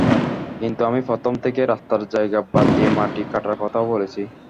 কিন্তু আমি প্রথম থেকেই রাস্তার জায়গা বাদ দিয়ে মাটি কাটার কথা বলেছি।